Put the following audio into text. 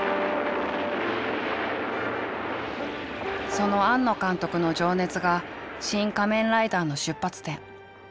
その庵野監督の情熱が「シン・仮面ライダー」の出発点。